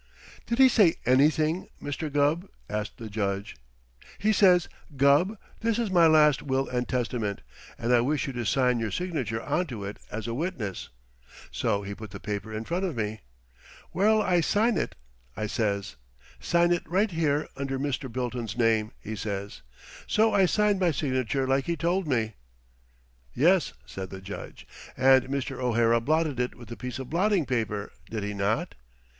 "Did he say anything, Mr. Gubb?" asked the Judge. "He says, 'Gubb, this is my last will and testament, and I wish you to sign your signature onto it as a witness.' So he put the paper in front of me. 'Where'll I sign it?' I says. 'Sign it right here under Mr. Bilton's name,' he says. So I signed my signature like he told me." "Yes," said the Judge, "and Mr. O'Hara blotted it with a piece of blotting paper, did he not?"